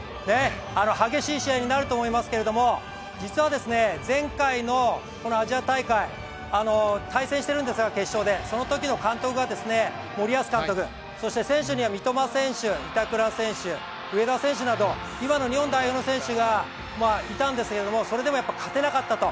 激しい試合になると思いますけど、実は前回のこのアジア大会、対戦してるんですが決勝で、そのときの監督が森保監督、選手には三笘選手、板倉選手、上田選手など今の日本代表選手がいたんですけれども、それでも勝てなかったと。